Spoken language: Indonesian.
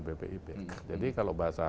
bpib jadi kalau bahasa